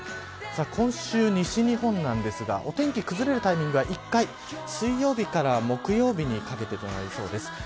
今週、西日本なんですがお天気崩れるタイミングが１回水曜日から木曜日にかけてとなりそうです。